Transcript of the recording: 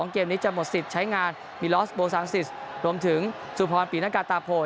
เกมนี้จะหมดสิทธิ์ใช้งานมีลอสโบสารสิทธิ์รวมถึงสุภาพันธ์ปิดหน้ากากตาโพด